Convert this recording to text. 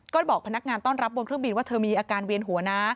ก็บอกพนักงานต้อนรับบนเครื่องบินว่าเธอมีอาการเวียนหัวนะ